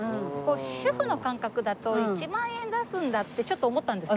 主婦の感覚だと１万円出すんだってちょっと思ったんですけど。